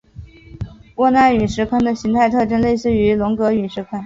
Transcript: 沃纳陨石坑的形态特征类似于龙格陨石坑。